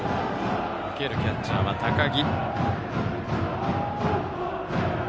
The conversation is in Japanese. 受けるキャッチャーは高木。